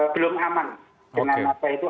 belum aman dengan apa itu